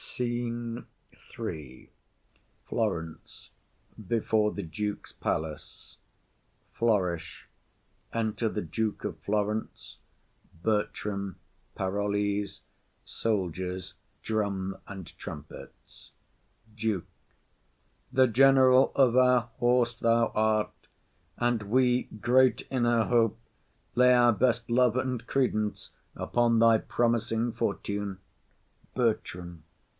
_] SCENE III. Florence. Before the Duke's palace. Flourish. Enter the Duke of Florence, Bertram, drum and trumpets, Soldiers, Parolles. DUKE. The general of our horse thou art, and we, Great in our hope, lay our best love and credence Upon thy promising fortune. BERTRAM.